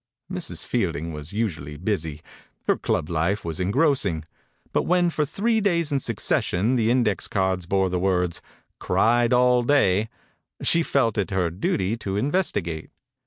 Mrs. Fielding was usually busy. Her club life was en grossing, but when, for three days in succession, the index cards bore the words "Cried all day," she felt it her duty to in vestigate.